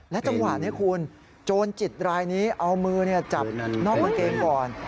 จังหวะนี้คุณโจรจิตรายนี้เอามือจับนอกกางเกงก่อน